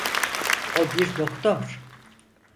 O bir doktor.